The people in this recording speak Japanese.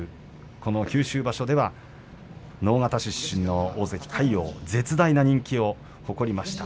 この九州場所では直方市出身の大関魁皇絶大な人気を誇りました。